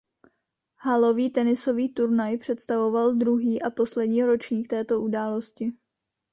Halový tenisový turnaj představoval druhý a poslední ročník této události.